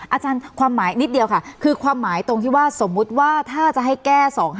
อาจารย์ความหมายนิดเดียวค่ะคือความหมายตรงที่ว่าสมมุติว่าถ้าจะให้แก้๒๕๖